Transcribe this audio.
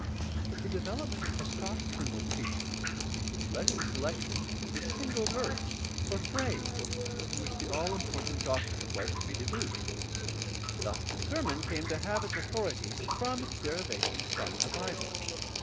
But the development of doctrinal preaching led to the selection of the single verse or phrase from which the all important doctrine was to be deduced. Thus the sermon came to have its authority from its derivation from the Bible.